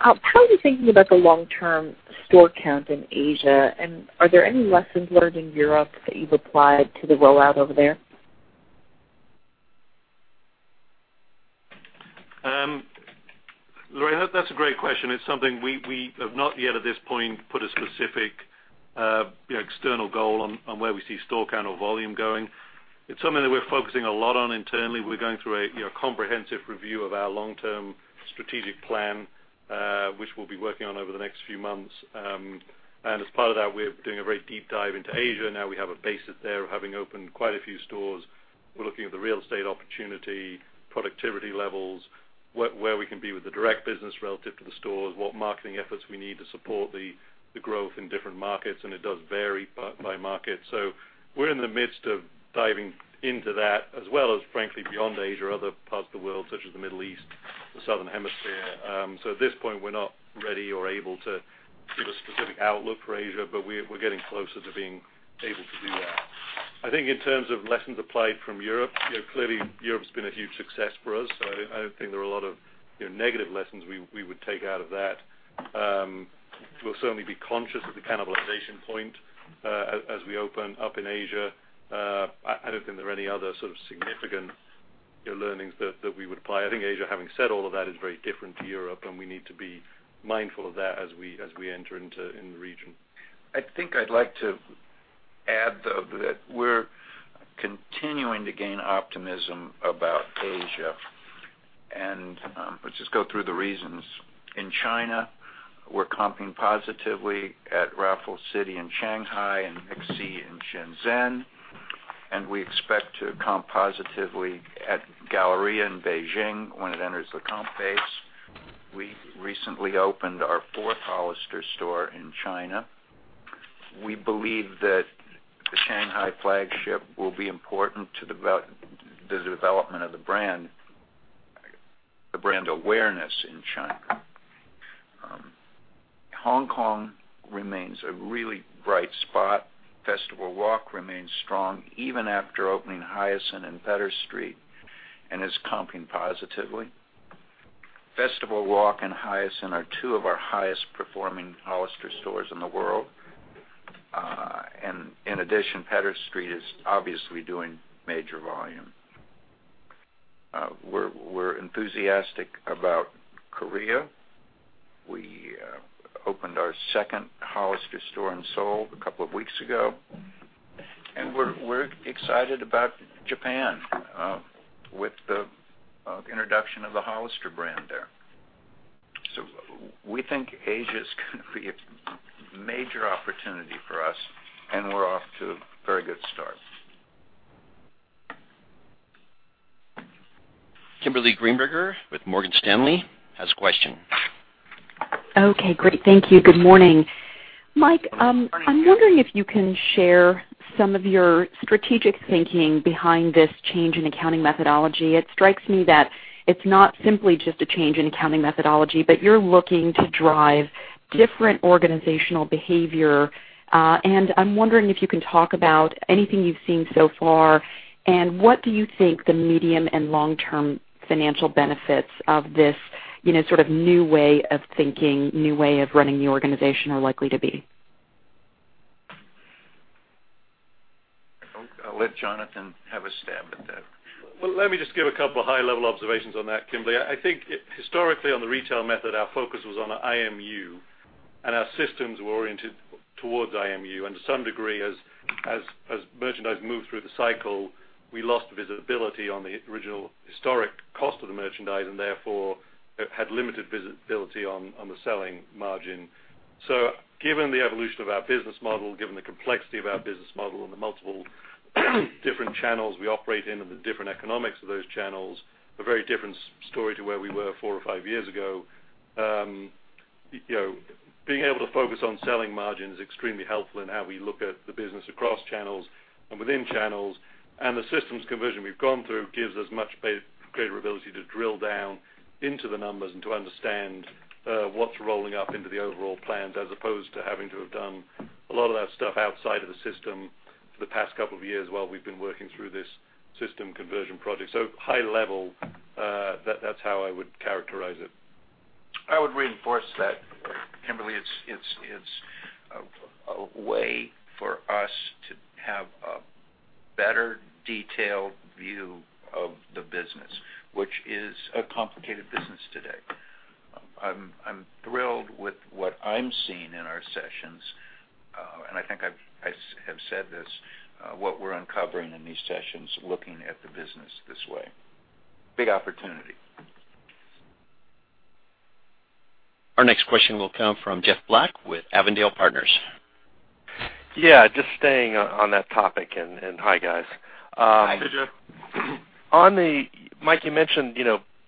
[SPEAKER 11] How are you thinking about the long-term store count in Asia, and are there any lessons learned in Europe that you've applied to the rollout over there?
[SPEAKER 4] Lorraine, that's a great question. It's something we have not yet, at this point, put a specific external goal on where we see store count or volume going. It's something that we're focusing a lot on internally. We're going through a comprehensive review of our long-term strategic plan, which we'll be working on over the next few months. As part of that, we're doing a very deep dive into Asia. Now we have a basis there of having opened quite a few stores. We're looking at the real estate opportunity, productivity levels, where we can be with the direct business relative to the stores, what marketing efforts we need to support the growth in different markets, it does vary part by market. We're in the midst of diving into that as well as frankly beyond Asia, other parts of the world such as the Middle East, the Southern Hemisphere. At this point, we're not ready or able to give a specific outlook for Asia, but we're getting closer to being able to do that. I think in terms of lessons applied from Europe, clearly Europe's been a huge success for us, I don't think there are a lot of negative lessons we would take out of that. We'll certainly be conscious of the cannibalization point as we open up in Asia. I don't think there are any other sort of significant learnings that we would apply. I think Asia, having said all of that, is very different to Europe, we need to be mindful of that as we enter into the region.
[SPEAKER 3] I think I'd like to add, though, that we're continuing to gain optimism about Asia. Let's just go through the reasons. In China, we're comping positively at Raffles City in Shanghai and MixC in Shenzhen, we expect to comp positively at Galleria in Beijing when it enters the comp base. We recently opened our fourth Hollister store in China. We believe that the Shanghai flagship will be important to the development of the brand awareness in China. Hong Kong remains a really bright spot. Festival Walk remains strong even after opening Hollister and Pedder Street and is comping positively. Festival Walk and Hollister are two of our highest-performing Hollister stores in the world. In addition, Pedder Street is obviously doing major volume. We're enthusiastic about Korea. We opened our second Hollister store in Seoul a couple of weeks ago. We're excited about Japan with the introduction of the Hollister brand there. We think Asia is going to be a major opportunity for us, and we're off to a very good start.
[SPEAKER 1] Kimberly Greenberger with Morgan Stanley has a question.
[SPEAKER 12] Okay, great. Thank you. Good morning. Mike, I'm wondering if you can share some of your strategic thinking behind this change in accounting methodology. It strikes me that it's not simply just a change in accounting methodology, but you're looking to drive different organizational behavior. I'm wondering if you can talk about anything you've seen so far, and what do you think the medium and long-term financial benefits of this sort of new way of thinking, new way of running the organization are likely to be?
[SPEAKER 3] I'll let Jonathan have a stab at that.
[SPEAKER 4] Let me just give a couple of high-level observations on that, Kimberly. I think historically on the retail method, our focus was on IMU, and our systems were oriented towards IMU. To some degree, as merchandise moved through the cycle, we lost visibility on the original historic cost of the merchandise and therefore had limited visibility on the selling margin. Given the evolution of our business model, given the complexity of our business model and the multiple different channels we operate in and the different economics of those channels, a very different story to where we were four or five years ago. Being able to focus on selling margin is extremely helpful in how we look at the business across channels and within channels, the systems conversion we've gone through gives us much greater ability to drill down into the numbers and to understand what's rolling up into the overall plans as opposed to having to have done a lot of that stuff outside of the system for the past couple of years while we've been working through this system conversion project. High level, that's how I would characterize it.
[SPEAKER 3] I would reinforce that, Kimberly. It's a way for us to have a better detailed view of the business, which is a complicated business today. I'm thrilled with what I'm seeing in our sessions. I think I have said this, what we're uncovering in these sessions, looking at the business this way. Big opportunity.
[SPEAKER 1] Our next question will come from Jeff Black with Avondale Partners.
[SPEAKER 13] Yeah, just staying on that topic, hi, guys.
[SPEAKER 4] Hi.
[SPEAKER 3] Hey, Jeff.
[SPEAKER 13] Mike, you mentioned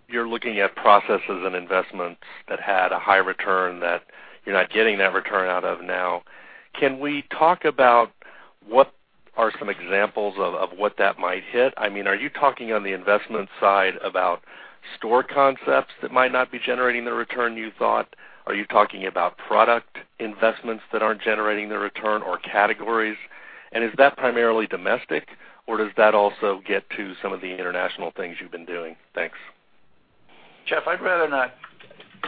[SPEAKER 13] you're looking at processes and investments that had a high return that you're not getting that return out of now. Can we talk about what are some examples of what that might hit? Are you talking on the investment side about store concepts that might not be generating the return you thought? Are you talking about product investments that aren't generating the return or categories? Is that primarily domestic, or does that also get to some of the international things you've been doing? Thanks.
[SPEAKER 3] Jeff, I'd rather not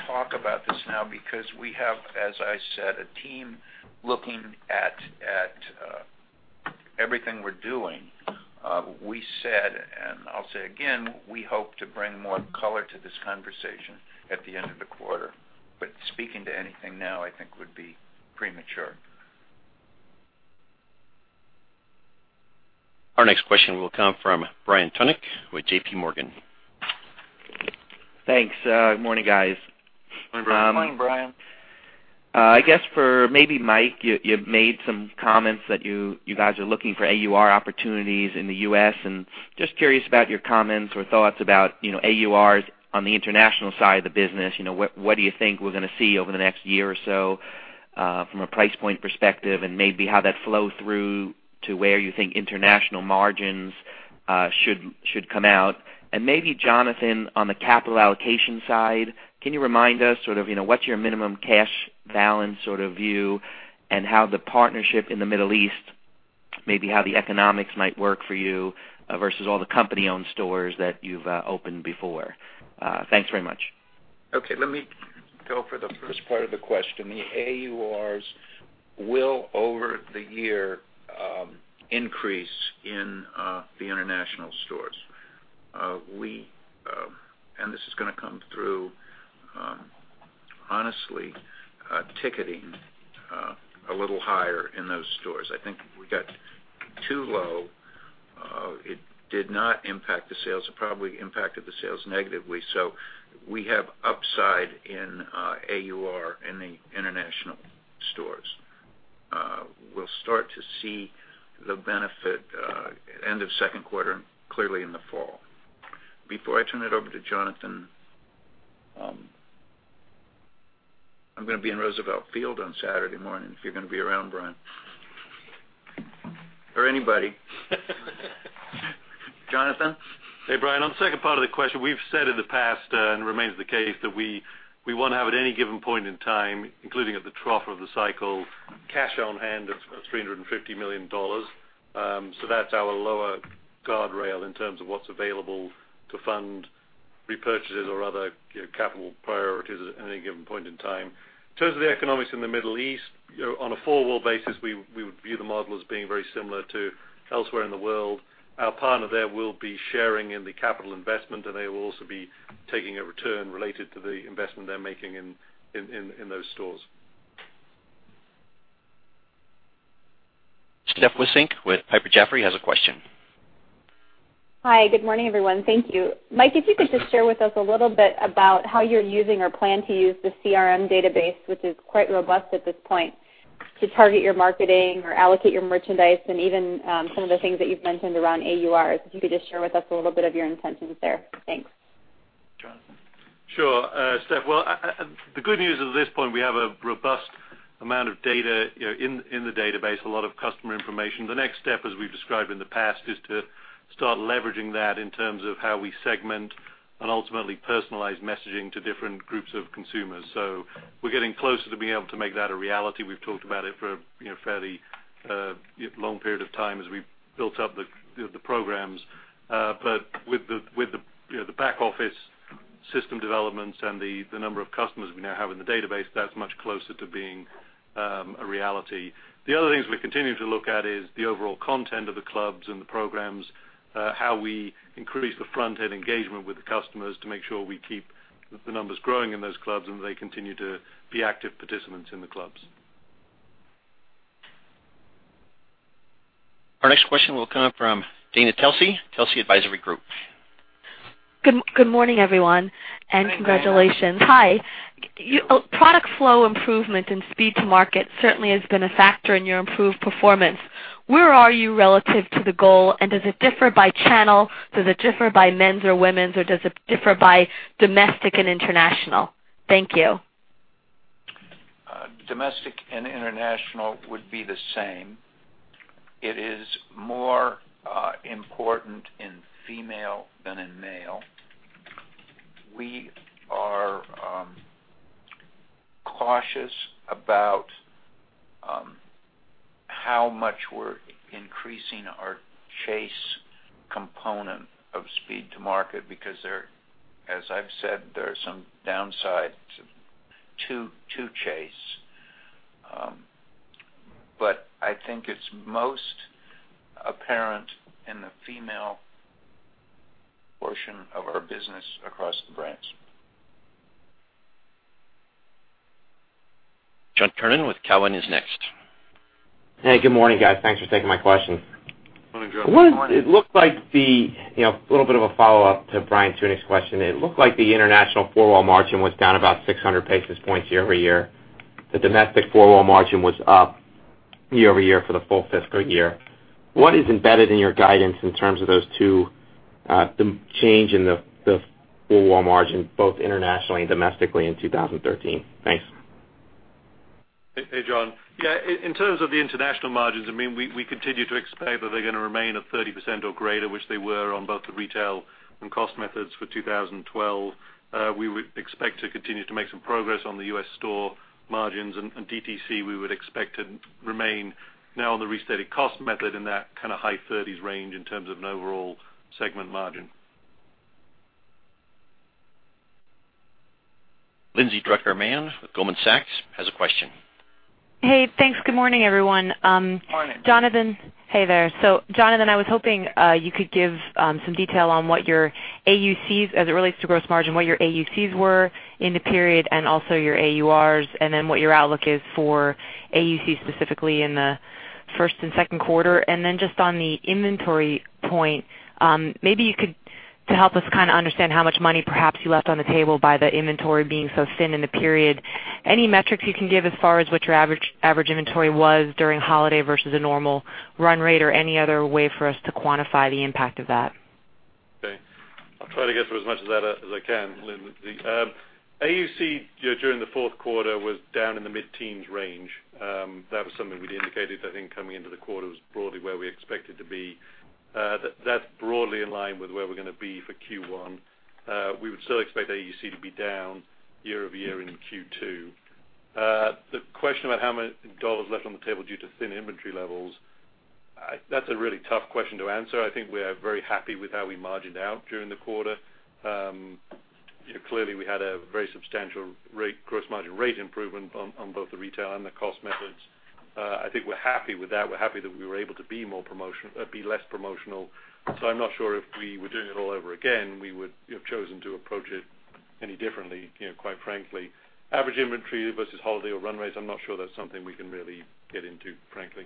[SPEAKER 3] talk about this now because we have, as I said, a team looking at everything we're doing. We said, and I'll say again, we hope to bring more color to this conversation at the end of the quarter. Speaking to anything now, I think would be premature.
[SPEAKER 1] Our next question will come from Brian Tunick with J.P. Morgan.
[SPEAKER 14] Thanks. Good morning, guys.
[SPEAKER 3] Morning, Brian.
[SPEAKER 4] Morning, Brian.
[SPEAKER 14] I guess for maybe Mike, you've made some comments that you guys are looking for AUR opportunities in the U.S., just curious about your comments or thoughts about AURs on the international side of the business. What do you think we're going to see over the next year or so? From a price point perspective, and maybe how that flows through to where you think international margins should come out. Maybe, Jonathan, on the capital allocation side, can you remind us what's your minimum cash balance view, and how the partnership in the Middle East, maybe how the economics might work for you versus all the company-owned stores that you've opened before? Thanks very much.
[SPEAKER 3] Okay. Let me go for the first part of the question. The AURs will, over the year, increase in the international stores. This is going to come through, honestly, ticketing a little higher in those stores. I think we got too low. It did not impact the sales. It probably impacted the sales negatively. We have upside in AUR in the international stores. We'll start to see the benefit end of second quarter, clearly in the fall. Before I turn it over to Jonathan, I'm going to be in Roosevelt Field on Saturday morning, if you're going to be around, Brian. Or anybody. Jonathan?
[SPEAKER 4] Hey, Brian. On the second part of the question, we've said in the past, it remains the case, that we want to have, at any given point in time, including at the trough of the cycle, cash on hand of $350 million. That's our lower guardrail in terms of what's available to fund repurchases or other capital priorities at any given point in time. In terms of the economics in the Middle East, on a forward basis, we would view the model as being very similar to elsewhere in the world. Our partner there will be sharing in the capital investment, they will also be taking a return related to the investment they're making in those stores.
[SPEAKER 1] Steph Wissink with Piper Jaffray has a question.
[SPEAKER 15] Hi. Good morning, everyone. Thank you. Mike, if you could just share with us a little bit about how you're using or plan to use the CRM database, which is quite robust at this point, to target your marketing or allocate your merchandise, and even some of the things that you've mentioned around AURs. If you could just share with us a little bit of your intentions there. Thanks.
[SPEAKER 3] Jonathan.
[SPEAKER 4] Sure, Steph. Well, the good news at this point, we have a robust amount of data in the database, a lot of customer information. The next step, as we've described in the past, is to start leveraging that in terms of how we segment and ultimately personalize messaging to different groups of consumers. We're getting closer to being able to make that a reality. We've talked about it for a fairly long period of time as we built up the programs. With the back-office system developments and the number of customers we now have in the database, that's much closer to being a reality. The other things we're continuing to look at is the overall content of the clubs and the programs, how we increase the front-end engagement with the customers to make sure we keep the numbers growing in those clubs and they continue to be active participants in the clubs.
[SPEAKER 1] Our next question will come from Dana Telsey, Telsey Advisory Group.
[SPEAKER 16] Good morning, everyone, and congratulations.
[SPEAKER 3] Good morning, Dana.
[SPEAKER 16] Hi. Product flow improvement and speed to market certainly has been a factor in your improved performance. Where are you relative to the goal, and does it differ by channel? Does it differ by men's or women's, or does it differ by domestic and international? Thank you.
[SPEAKER 3] Domestic and international would be the same. It is more important in female than in male. We are cautious about how much we're increasing our chase component of speed to market because, as I've said, there are some downsides to chase. I think it's most apparent in the female portion of our business across the brands.
[SPEAKER 1] John Kernan with Cowen is next.
[SPEAKER 17] Hey. Good morning, guys. Thanks for taking my question.
[SPEAKER 3] Morning, John.
[SPEAKER 17] It looked like a little bit of a follow-up to Brian Tunick's question. It looked like the international four-wall margin was down about 600 basis points year-over-year. The domestic four-wall margin was up year-over-year for the full fiscal year. What is embedded in your guidance in terms of those two, the change in the four-wall margin, both internationally and domestically in 2013? Thanks.
[SPEAKER 4] Hey, John. Yeah. In terms of the international margins, we continue to expect that they're going to remain at 30% or greater, which they were on both the retail and cost methods for 2012. We would expect to continue to make some progress on the U.S. store margins. DTC, we would expect to remain now on the restated cost method in that high 30s range in terms of an overall segment margin.
[SPEAKER 1] Lindsay Drucker Mann with Goldman Sachs has a question.
[SPEAKER 18] Hey, thanks. Good morning, everyone.
[SPEAKER 3] Morning.
[SPEAKER 18] Jonathan. Hey there. Jonathan, I was hoping you could give some detail on what your AUCs, as it relates to gross margin, what your AUCs were in the period, and also your AURs. What your outlook is for AUCs specifically in the first and second quarter. Just on the inventory point, maybe you could help us understand how much money perhaps you left on the table by the inventory being so thin in the period. Any metrics you can give as far as what your average inventory was during holiday versus a normal run rate or any other way for us to quantify the impact of that?
[SPEAKER 4] I'll try to get through as much of that as I can, Lindsay. AUC during the fourth quarter was down in the mid-teens range. That was something we'd indicated coming into the quarter was broadly where we expected to be. That's broadly in line with where we're going to be for Q1. We would still expect AUC to be down year-over-year into Q2. The question about how many dollars left on the table due to thin inventory levels, that's a really tough question to answer. We are very happy with how we margined out during the quarter. Clearly, we had a very substantial gross margin rate improvement on both the retail and the cost methods. We're happy with that. We're happy that we were able to be less promotional. I'm not sure if we were doing it all over again, we would have chosen to approach it any differently, quite frankly. Average inventory versus holiday or runways, I'm not sure that's something we can really get into, frankly.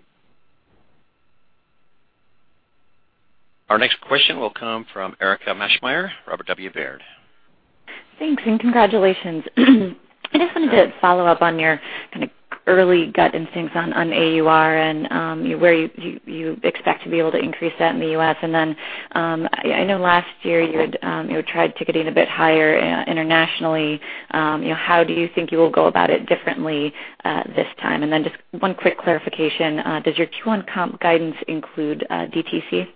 [SPEAKER 1] Our next question will come from Erika Maschmeyer, Robert W. Baird & Co.
[SPEAKER 19] Thanks, congratulations. I just wanted to follow up on your early gut instincts on AUR and where you expect to be able to increase that in the U.S. I know last year you had tried ticketing a bit higher internationally. How do you will go about it differently this time? Just one quick clarification. Does your Q1 comp guidance include DTC?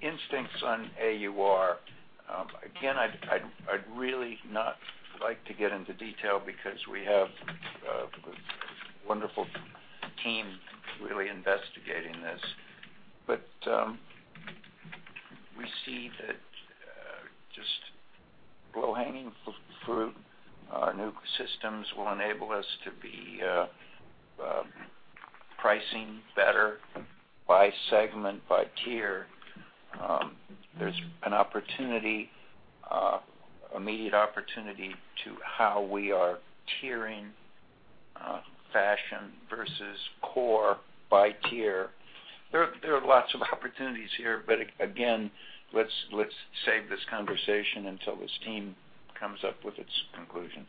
[SPEAKER 3] Instincts on AUR. Again, I'd really not like to get into detail because we have a wonderful team really investigating this. We see that just low-hanging fruit. Our new systems will enable us to be pricing better by segment, by tier. There's an immediate opportunity to how we are tiering fashion versus core by tier. Again, let's save this conversation until this team comes up with its conclusions.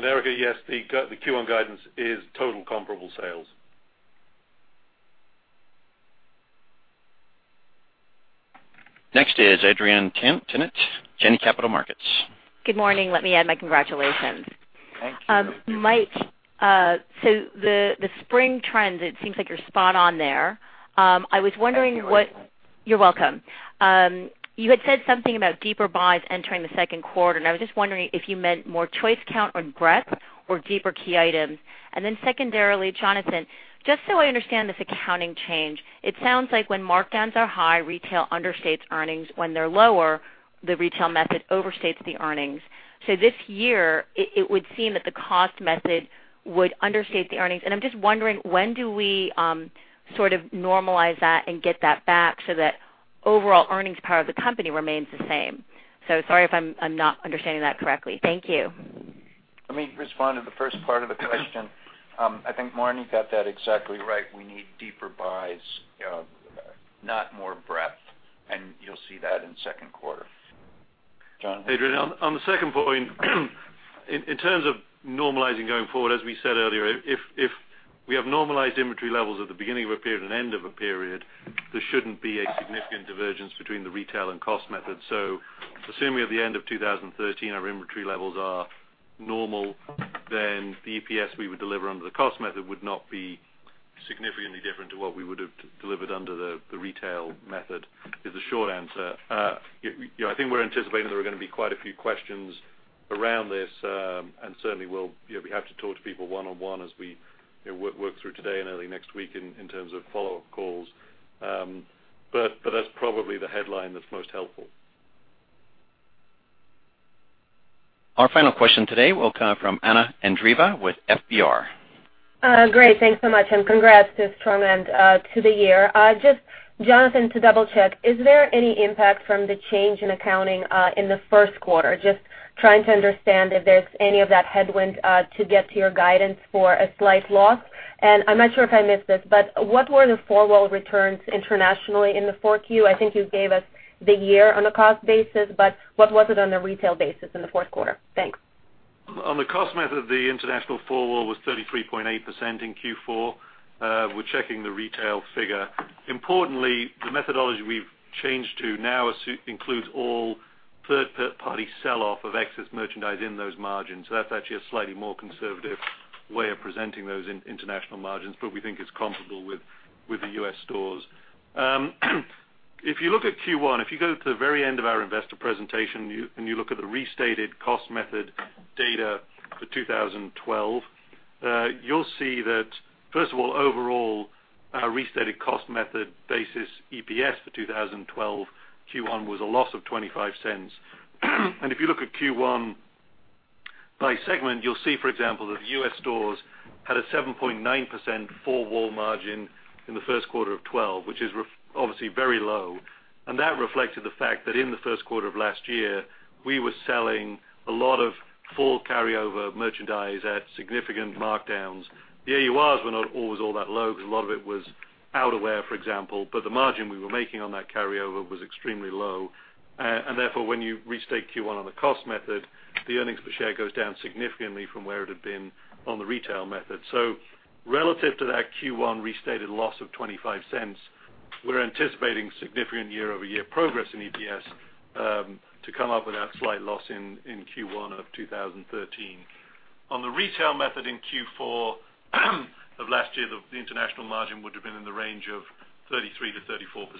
[SPEAKER 4] Erika, yes, the Q1 guidance is total comparable sales.
[SPEAKER 1] Next is Adrienne Tennant, Janney Capital Markets.
[SPEAKER 20] Good morning. Let me add my congratulations.
[SPEAKER 3] Thank you.
[SPEAKER 20] Mike, the spring trends, it seems like you're spot on there. I was wondering.
[SPEAKER 3] Thank you.
[SPEAKER 20] You're welcome. You had said something about deeper buys entering the second quarter, I was just wondering if you meant more choice count on breadth or deeper key items. Secondarily, Jonathan, just so I understand this accounting change, it sounds like when markdowns are high, retail understates earnings. When they're lower, the retail method overstates the earnings. This year, it would seem that the cost method would understate the earnings, and I'm just wondering when do we normalize that and get that back so that overall earnings power of the company remains the same? Sorry if I'm not understanding that correctly. Thank you.
[SPEAKER 3] Let me respond to the first part of the question. I think Marni got that exactly right. We need deeper buys, not more breadth. You'll see that in the second quarter. Jonathan?
[SPEAKER 4] Adrienne, on the second point, in terms of normalizing going forward, as we said earlier, if we have normalized inventory levels at the beginning of a period and end of a period, there shouldn't be a significant divergence between the retail and cost method. Assume we're at the end of 2013, our inventory levels are normal, then the EPS we would deliver under the cost method would not be significantly different to what we would have delivered under the retail method, is the short answer. I think we're anticipating there are going to be quite a few questions around this, and certainly we have to talk to people one-on-one as we work through today and early next week in terms of follow-up calls. That's probably the headline that's most helpful.
[SPEAKER 1] Our final question today will come from Anna Andreeva with FBR.
[SPEAKER 21] Great. Thanks so much, congrats to a strong end to the year. Just, Jonathan, to double-check, is there any impact from the change in accounting in the first quarter? Just trying to understand if there's any of that headwind to get to your guidance for a slight loss. I'm not sure if I missed this, what were the four-wall returns internationally in the 4Q? I think you gave us the year on a cost basis, what was it on a retail basis in the fourth quarter? Thanks.
[SPEAKER 4] On the cost method, the international four-wall was 33.8% in Q4. We're checking the retail figure. Importantly, the methodology we've changed to now includes all third-party sell-off of excess merchandise in those margins. That's actually a slightly more conservative way of presenting those international margins, but we think it's comparable with the U.S. stores. If you look at Q1, if you go to the very end of our investor presentation and you look at the restated cost method data for 2012, you'll see that, first of all, overall, our restated cost method basis EPS for 2012 Q1 was a loss of $0.25. If you look at Q1 by segment, you'll see, for example, that the U.S. stores had a 7.9% four-wall margin in the first quarter of 2012, which is obviously very low. That reflected the fact that in the first quarter of last year, we were selling a lot of full carryover merchandise at significant markdowns. The AURs were not always all that low because a lot of it was outerwear, for example. The margin we were making on that carryover was extremely low. Therefore, when you restate Q1 on the cost method, the earnings per share goes down significantly from where it had been on the retail method. Relative to that Q1 restated loss of $0.25, we're anticipating significant year-over-year progress in EPS to come up with that slight loss in Q1 of 2013. On the retail method in Q4 of last year, the international margin would have been in the range of 33%-34%.